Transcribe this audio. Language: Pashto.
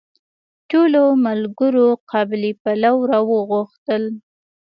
ټولو ملګرو قابلي پلو راوغوښتل.